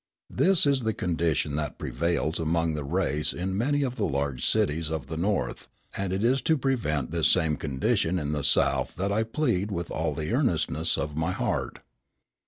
This is the condition that prevails among the race in many of the large cities of the North; and it is to prevent this same condition in the South that I plead with all the earnestness of my heart.